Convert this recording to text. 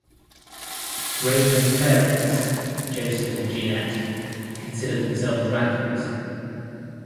Rainer's parents, Joseph and Jeanette, considered themselves radicals.